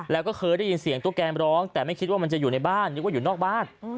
แล้วก็เคยได้ยินเสียงตุ๊กแกร้องแต่ไม่คิดว่ามันจะอยู่ในบ้านนึกว่าอยู่นอกบ้าน